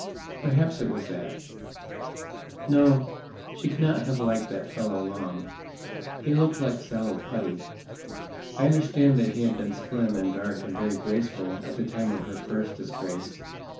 Perhaps it was that.... No, she cannot have liked that fellow long. He looked like sallow putty. I understand that he had been slim and dark and very graceful at the time of her first disgrace.